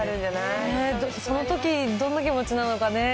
そのとき、どんな気持ちなのかねぇ。